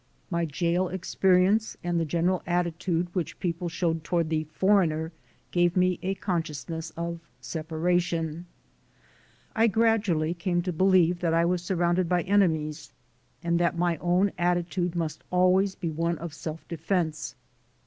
My jail experience and the general attitude which people showed toward the "foreigner" gave me a consciousness of separation. I gradually I SUFFER SERIOUS LOSSES 185 came to believe that I was surrounded by enemies, and that my own attitude must always be one of self defense.